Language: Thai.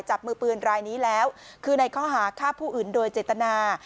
จับมือปืนรายนี้แล้วคือในข้อหาฆ่าผู้อื่นโดยเจตนา